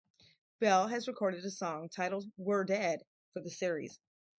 Bell has recorded a song titled "We're Dead" for the series.